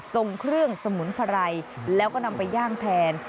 ส่งเครื่องสมุนไพรแล้วก็นำไปย่างแทน